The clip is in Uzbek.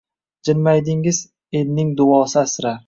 Jilmaydingiz: “Elning duosi asrar… ”